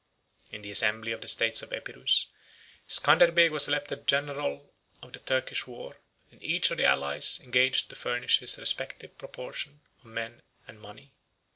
In the assembly of the states of Epirus, Scanderbeg was elected general of the Turkish war; and each of the allies engaged to furnish his respective proportion of men and money.